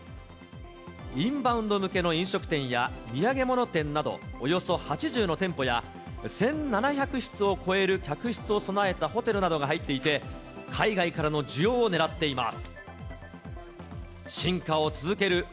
インバウンド向けの飲食店や土産物店など、およそ８０の店舗や、１７００室を超える客室を備えたホテルなどが入っていて、海外からの需要をねらっています。